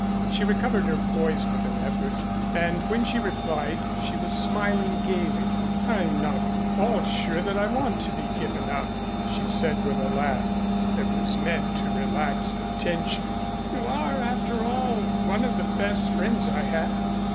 She recovered her poise with an effort, and when she replied she was smiling gayly. "I'm not at all sure that I want to be given up," she said, with a laugh that was meant to relax the tension. "You are, after all, one of the best friends I have."